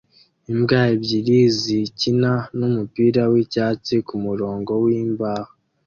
Imbwa ebyiri zikina numupira wicyatsi kumurongo wimbaho